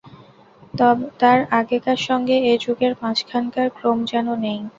তার আগেকার সঙ্গে এ যুগের মাঝখানকার ক্রম যেন নেই।